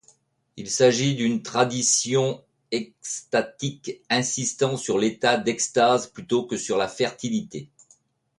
Il s'agit d'une tradition extatique, insistant sur l'état d'extase, plutôt que sur la fertilité.